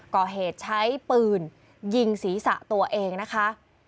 ก่อเหตุใช้ปืนยิงศีรษะตัวเองนะคะ